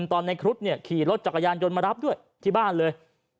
ตอนในครุฑเนี่ยขี่รถจักรยานยนต์มารับด้วยที่บ้านเลย